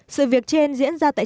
sự việc trên diễn ra tại trường tiểu